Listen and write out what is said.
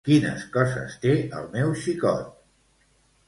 Quines coses té el meu xicot